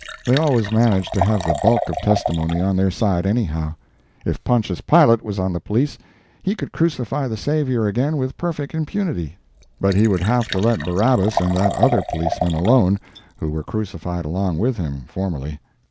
They always manage to have the bulk of testimony on their side, anyhow. If Pontius Pilate was on the police he could crucify the Savior again with perfect impunity—but he would have to let Barabbas and that other policeman alone, who were crucified along with him, formerly.